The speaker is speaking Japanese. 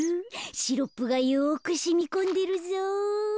シロップがよくしみこんでるぞ。